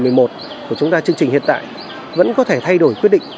lớp một mươi một của chúng ta chương trình hiện tại vẫn có thể thay đổi quyết định